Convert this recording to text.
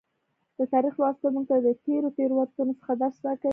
د تاریخ لوستل موږ ته د تیرو تیروتنو څخه درس راکوي.